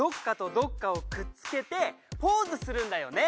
どっかをくっつけてポーズするんだよね。